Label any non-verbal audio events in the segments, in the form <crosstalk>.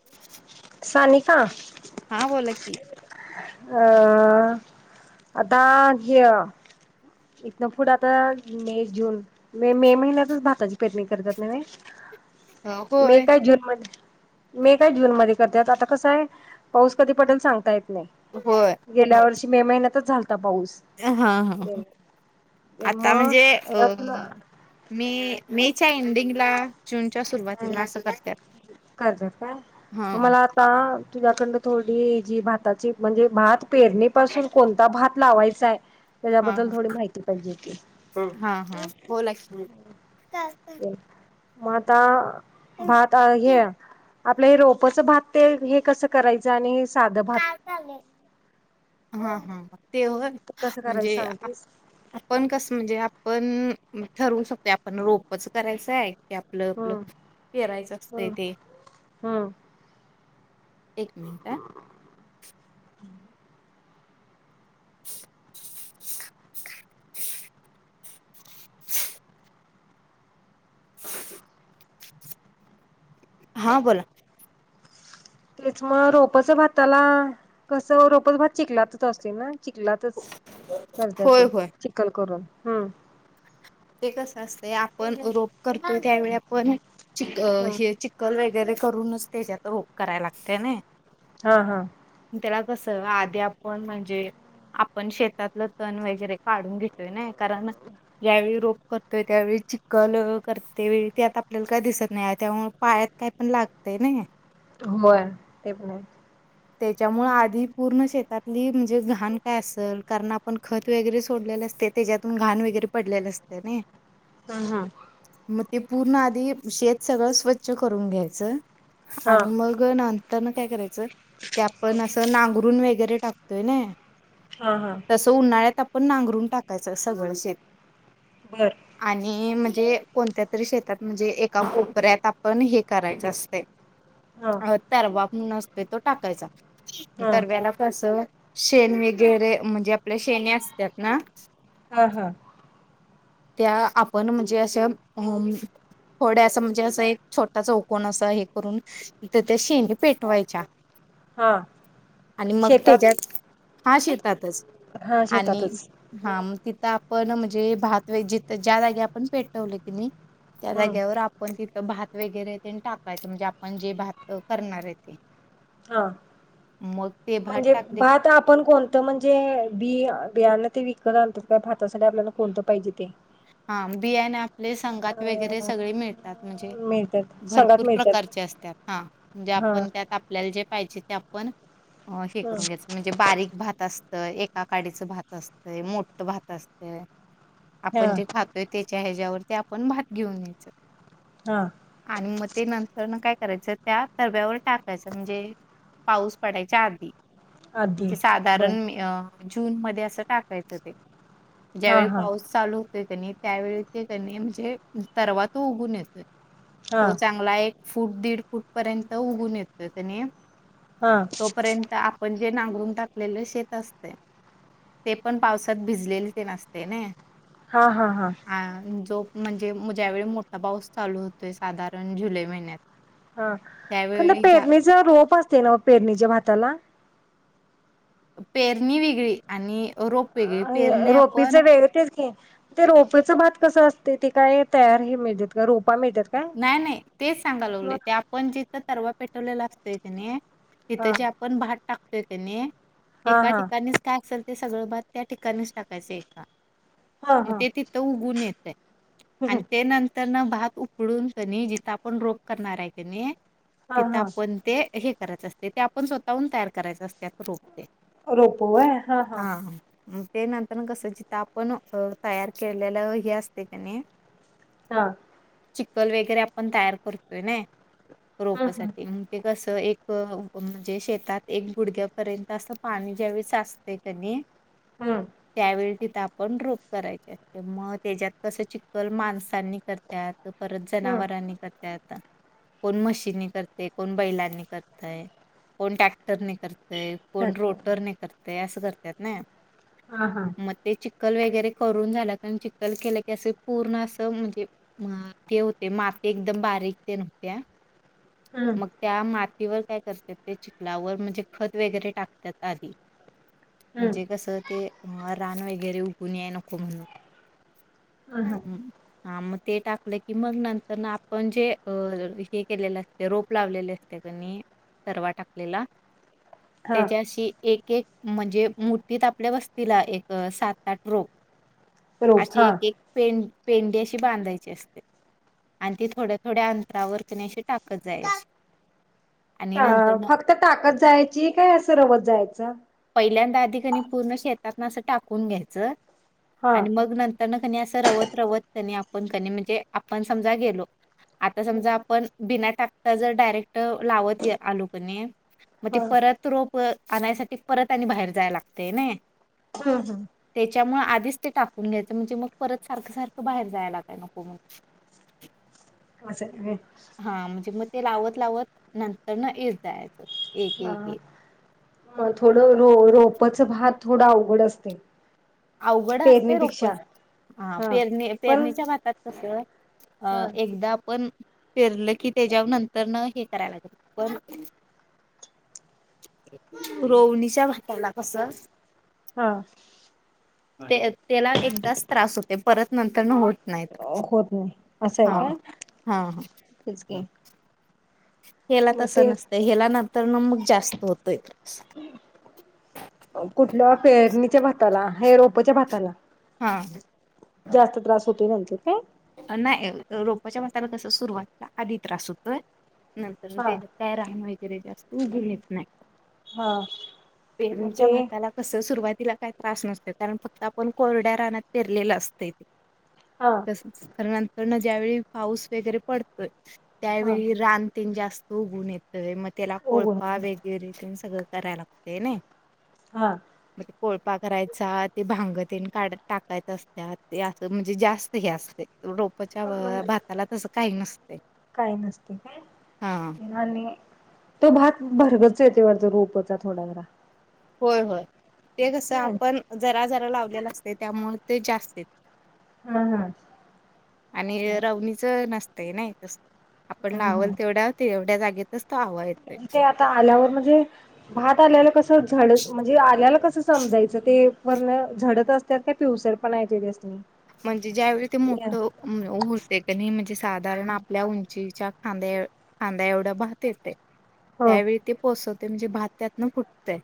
<inaudible> सानिका हा बोला की अ... आता जे इथनं पुढं आता मे, जून मे महिन्यातच भाताची पेरणी करतात ना व्हय? अ, मे होय काय जुन मध्ये मे काय जून मध्ये करतात, आता कसा आहे पाऊस कधी पडेल सांगता येत नाही. होय. गेल्या वर्षी मे महिन्यातच झालता पाऊस हं.. हं.. आता मग म्हणजे तुला मे, मे च्या एंडिंगला जूनच्या सुरुवातीला असं करत्यात, हां आ, तुझ्याकडन थोडी जी भाताची म्हणजे भात पेरणी पासून कोणता भात लावाय काय त्येज्या हा बद्दल हा. थोडी माहिती पाहिजे होती. हा हा बोला की म, आता भात आ ह्य आपलं हे रोपच भात ते, हे कसं करायचं आणि हे साधं भात? हा हा ते होय कसं करायचं म्हणजे सांगतेस पण कसं म्हणजे आपण ठरवू शकतोय आपण रोपच करायचं हाय. की आपलं, आपलं हम्म पेरायचं असतंय ते हम्म एक मिनटं हा <inaudible> <inaudible> <inaudible> हां बोला तेचं म रोपच भाताला, कसं रोपच भात चिखलातच असते ना. चिखलातच करतात होय ते होय. चिखल करून, हम्मं ते कस असतय, आपण रोप करतो त्यावेळी आपण चिख. अ, हम्म चिख चिखल वगैरे करूनच तेज्यात रोप करायला लागतय नय हां, हां त्याला कसं आधी आपण म्हणजे आपण शेतातलं तण वगैरे काढून घेतोय नय कारण ज्यावेळी रोप करतोय त्यावेळी चिखल करते वेळी त्यात आपल्याला काय दिसत नाही हाय, त्यामुळे पायात काय पण लागतय नयी होय ते पण <unintelligible> त्येच्यामुळं आधी पूर्ण शेतातली म्हणजे घाण काय असल कारण आपण खत वगैरे सोडलेले असतय त्येज्यातून घाण वगैरे पडलेलं असतंय नयी हं. हा मग ते पूर्ण आधी शेत सगळं स्वच्छ करून घ्यायचं हा आणि मग नंतरन काय करायचं, ते आपण असं नांगरून वगैरे टाकतोय नय हां, हां तसं उन्हाळ्यात आपण नांगरून टाकायचं सगळं शेत बरं आणि म्हणजे कोणत्या तरी शेतात म्हणजे एका कोपऱ्यात आपण हे करायचं असतय हा तरवाप म्हणून असतोय तो टाकायचा, हा तरव्याला कस शेण वगैरे म्हणजे आपल्या शेणी असत्यात ना हं, हां त्या आपण म्हणजे असं हम थोड्या असं म्हणजे असं एक छोटा चौकोन असं हे करून तिथे शेणी पेटवायच्या हां आणि मग त्येज्यात, हा शेतातच हा आणि शेतातच हा मग तिथं आपण म्हणजे भात व जिथ ज्या जागी आपण पेटवलय कीनी त्या हम्म जाग्यावर आपण तिथं भात वगैरे तेन टाकायचं म्हणजे आपण जे भात करणार आहे ते. हा, मग ते भात म्हणजे टाकले भात आपण कोण त म्हणजे बि बियाना ते विकत आणतात का भातासाठी आपल्याला कोणतं पाहिजे ते. हा बियाण आपले संघात वगैरे अ सगळे मिळतात म्हणजे. मिळतात संघात भरपूर मिळतात प्रकारचे असतात हा म्हणजे हा आपण त्यात आपल्याला जे पाहिजे ते आपण हे हम्म करून घ्यायच. म्हणजे बारीक भात असतं एकाकाडीचं भात असतंय मोठं भात असतंय. हा आपण जे खातोय त्याच्या ह्याच्यावरती आपण भात घेऊन यायचं. हा. आणि म ते नंतर न काय करायचं त्या तव्यावर टाकायचं म्हणजे. पाऊस पडायच्या आधी. आधी म्हणजे बर साधारण जून मध्ये असं टाकायचं ते हा ज्यावेळी हा पाऊस चालू होतय कणी त्यावेळेस ते कणी म्हणजे तरवा तो उगुन येतोय. हा तो चांगला एक फूट दीड फूट पर्यंत उगून येतोय कणी हा तोपर्यंत आपण जे नांगरून टाकलेले शेत असतय ते पण पावसात भिजलेल तेन असतय नई हा हा हा. हो जो म्हणजे ज्यावेळी मोठा पाऊस चालू होतोय साधारण जुलै महिन्यात हा अखंड त्यावेळी ज्या पेरणीच रोप असतय नव पेरणीच्या भाताला पेरणी वेगळी आणि रोप वेगळी. पेरणी रोपीच आपण वेगळ तेच की ते रोपेच भात कसं असतय ते काय तयार हे मिळत्यात का रोपा मिळत्यात नाही नाही तेच सांगा लागलोय ते आपण जिथं तरवा पेटवलेला असतय कणी तिथं जे हा आपण भात टाकतोय कणी एका हा ठिकाणीच काय असल ते सगळं भात त्या ठिकाणीच टाकायचे. हा म हा ते तिथं उगून येतय आणि ते नंतरन भात उ पडून कनी जिथं आपण रोप करणार हाय कणी हा तिथं हा आपण ते हे करायचं असतय ते आपण स्वतःहून तयार करायच असत्यात. रोप ते रोप वय हा हा हू ते नंतरन कस जिथ आपण तयार केलेलं हे असते कणी हा. चिक्कल वेगैरे आपण तयार करतोय नई हम्म हम्म रोपासाठी. ते कस एक म्हणजे शेतात एक गुडघ्यापर्यंत असं पाणी ज्यावेळेस साच ते कणी हम्म. त्यावेळी तिथं आपण रोप करायचे असते म त्याच्यात कसं चिक्कल माणसांनी करत्यात परत हम्म जनावरांनी करत्यात कोण म्हशींनी करतय कोण बैलांनी करतय. कोण टॅक्टरने करतय कोण अच्छा रोटरने करतय असं करत्यात नई हा हा म ते चिक्कल वेगैरे करून झालं कणी चिक्कल केलं की असं पूर्ण असं म्हणजे ते होते माती एकदम बारीक तेन होत्या हम्म मग त्या मातीवर काय करत्यात ते चिखलावर म्हणजे खत वगैरे टाकत्यात आधी. हम्म म्हणजे कसं ते अ रान वगैरे उगून याय नको म्हणून. हा हू हा म ते टाक ले कि मग नंतरन आपण जे अ हे केलेलं असते रोप लावलेले असते कणी. परवा टाकलेला हा त्याज्याशी एक एक म्हणजे मुठीत आपल्या वस्तीला एक सात आठ रोप रोप अशी हा एक एक पें पेंडी अशी बांधायची असते. आणि ती थोड्या थोड्या अंतरावरती नय अशी टाकत जायची. आणि ह नंतरनं फक्त टाकत जायची, काय असं रवत जायचं? पहिल्यांदा आधी क नयी पूर्ण शेतात ना अस टाकून घ्यायचं हा आणि मग नंत त्यांना क नयी असं रवत रवत त्यांनी आपण कनी म्हणजे आपण समजा गेलो आता समजा आपण बिना टाकता जर डायरेक्ट लावत गे आलो कणी मग ते हा परत रोप आणायसाठी परत आणि बाहेर जाया लागतय नय. हम्म हम्म त्याच्यामुळ आधीच ते टाकून घ्यायचं, म्हणजे मग परत सारखं सारखं बाहेर जायाला लागाय नको म्हणून. अस, अ हा म्हणजे मग ते लावत-लावत नंतर ना येस जायाच. हा मग थोडं रो रोपच भात थोडं अवघड असतय. अवघड असतय रोपच, हा पेरणी पेरणीच्या भातात कस अ हा एकदा आपण, पेरलं की त्याच्या नंतर न हे कराय लागत, पण रोवनीच्या भाताला कस हा ते त्याला, एकदाच त्रास होते परत नंतर न होत नाही त्रास होत नाही, असं आहे हा. काय, हा हा तेच की. हेला मग तसं तेच नसतंय, हेला नंतर ना मग जास्त होतोय. कुठल्या पेरणीच्या भाताला, हे रोपच्या भाताला हा जास्त त्रास होतोय, नंतर काय? नाही रोपच्या भाताला कस सुरुवातीला आधी त्रास होतोय, नंतर हा त्याच्या काय रान वगैरे जास्त उगवून येत नाय, हा मग पेरणीच्या ते भाताला कसं सुरुवातीला काय त्रास नसतोय, कारण फक्त आपण कोरड्या रानात पेरलेलं असतय ते. हा खर नंतर ना ज्यावेळी पाऊस वगैरे पडतोय, हा त्यावेळी रान तेन जास्त उगवून येत तोय मग त्याला उगवून कोळपा वगैरे तेन सगळं कराय लागतय नय. हां म्हणजे कोळपा करायचा ते भांग तेन काढत टाकायच असत्यात, ते असं म्हणजे जास्त हे अस रोपच्या व मग भाताला तस काही नसतय. काही नसतय काय, आणि तो भात भरगच्च येतोय वाटत रोपचा थोडा जरा. होय होय, ते कसं हम्म आपण जरा जरा लावलेलं असतय त्यामुळे ते जास्त येतय. हा हा आणि रवनीच नसतंय नाय तस, आपण हा लावल हा तेवढा तेवढ्या जागेतच तो हवा येत ते आता आल्यावर म्हणजे भात आल्याला कस ते झाड, म्हणजे आल्याला कसं समजायचं ते? वरन झडत असत्यात काय, पिवसर पणा येतंय त्यास्नी. म्हणजे ज्यावेळी ते मोठ हुतंय कनी म्हणजे साधारण आपल्या उंचीच्या खांद्या एव खांद्या एवढा भात येतय, हा त्यावेळी ते पोसवते म्हणजे भात त्यातन फुटतय.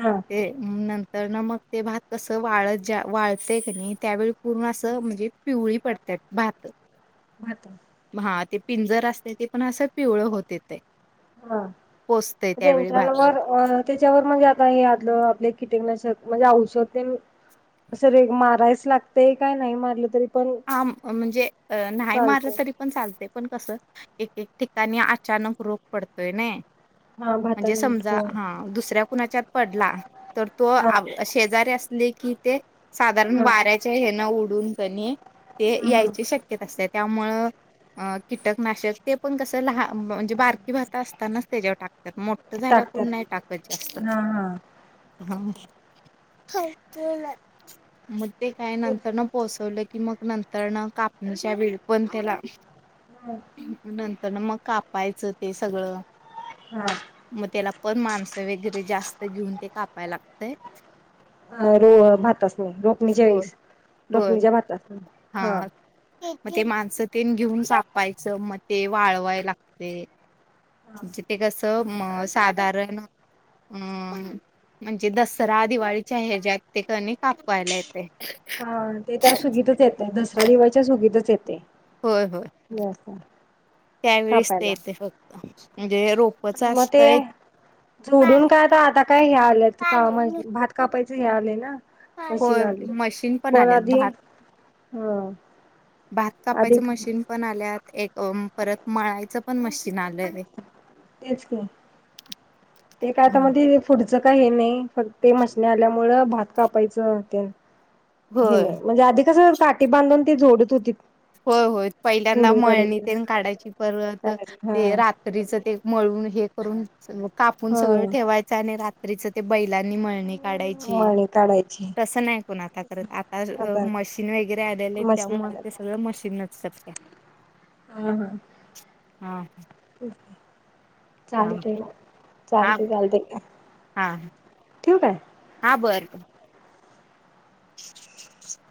हा ते नंतर न मग ते भात कस वाळत ज्या वाळतय क नयी त्यावेळी पूर्ण असं म्हणजे पिवळी पडत्यात भातं. भात मग हां ते पिंजर असतंय ते पण असं पिवळ होते येतंय. हां म्हणजे <unintelligible> भात वर अ त्याच्यावर म्हणजे आता हे आदलं आपले किटकनाशक म्हणजे औषध तेन अस रेग मारायलाच लागतंय काय नाही मारलं तरी पण आम म्हणजे अ नाही मारलं चालतय तरी पण चालतंय पण कसं एक एक ठिकाणी अचानक रोग पडतोय नाही हा म्हणजे भाताला समजा होय हां दुसऱ्या कुणाच्यात पडला तर तो हा शेजारी असले की ते साधारण हा वाऱ्या च्या हेन उडून की नाही ते हम्म यायची शक्यता असत्या त्यामुळं अ कीटकनाशक ते पण कसं लहान म्हणजे बारकी भात असतानाच त्याच्यावर टाक तात मोठ झाल्यावर टाकत्यात कोण नाही टाकत जास्त. हा हां मग ते काय नंतरन हा पोसवलं की मग नंतर न कापणीच्या वेळ पण त्याला नाही नंतर न मग कापायचं ते सगळं हां. मग त्याला पण माणसं वगैरे जास्त घेऊन ते कापाय लागतंय. अ रो भातासनी नाही रोखणीच्या वेळीस रोखणीच्या भातासनी हा हां मग ते माणसं तेन घेऊन सापायचं मग ते वाळवाय लागतंय. म्हणजे ते कसं म साधारण अं म्हणजे दसरा दिवाळीच्या हेच्यात ते की नाही कापायला येतंय. हां ते त्या सुगीतच येतंय दसरा दिवसच्या सुगीतच येतंय. होय होय त्यावेेळीस ते कापायला येतंय फक्त म्हणजे रोप मग ते झोडून काय आता आता काय हे आल्यात का म भात कापायचं हे आलंय ना. मशीन होय आलंय मशीन पण आल्यात आधी! भात हम्म भात कापायचं मशीन पण आल्यात एक परत मळायचं पण मशीन आलंय. तेच की. ते काय आता मग ते पुढचं काय हे नाही फक्त ते मशनी आल्यामुळं भात कापायचं तेन हे होय नाही, म्हणजे आधी कसं काठी बांधून ती झोडत होतीत. होय होय पहिल्यांदा मळणी तेन काढायची परत काढायची हा ते रा त्रीच ते एक मळून हे करून कापून हा सगळं ठेवाय चं आणि रात्रीच ते बैलांनी मळणी काढायची. मळणी काढायची तसं नाही कोण आता करत आता मशीन वगैरे आलेले आहेत मशीन त्यामुळे ते आल्यात सग गळं मशीनच करत्या. हां हां. हां. ठीक आहे चालतंय मग हा चालतंय, चालतंय. ठेऊ काय? हां बरं बरं. <inaudible>